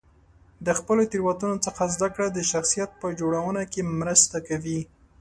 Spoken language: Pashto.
د خپلو تېروتنو څخه زده کړه د شخصیت په جوړونه کې مرسته کوي.